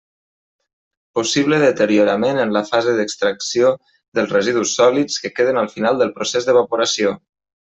Possible deteriorament en la fase d'extracció dels residus sòlids que queden al final del procés d'evaporació.